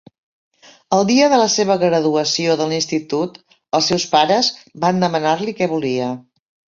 El dia de la seva graduació de l'Institut els seus pares van demanar-li què volia.